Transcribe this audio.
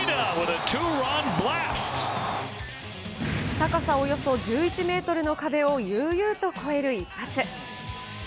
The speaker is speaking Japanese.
高さおよそ１１メートルの壁をゆうゆうと越える一発。